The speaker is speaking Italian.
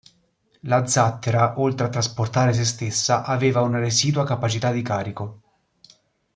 La zattera, oltre a trasportare se stessa, aveva una residua capacità di carico.